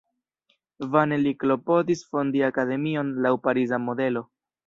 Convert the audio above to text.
Vane li klopodis fondi akademion laŭ pariza modelo.